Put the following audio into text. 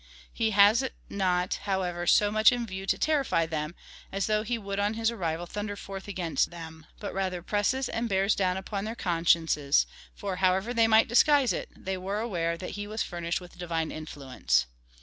He has it not, however, so much in view to terrify them, as though he would on his arrival thunder forth against them, but rather presses and bears down upon their consciences, for, however they might disguise it, they were aware that he was furnished with divine influence.